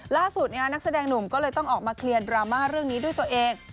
ล่าสุดนักแสดงหนุ่มก็เลยต้องออกมาเคลียร์ดราม่าเรื่องนี้ด้วยตัวเอง